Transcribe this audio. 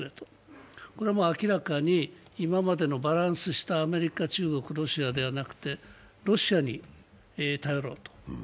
これはもう明らかにバランスしたアメリカ、中国、ロシアではなくてロシアに頼ろうと。